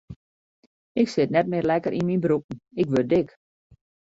Ik sit net mear lekker yn myn broeken, ik wurd dik.